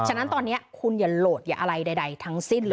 ฉะนั้นตอนนี้คุณอย่าโหลดอย่าอะไรใดทั้งสิ้นเลย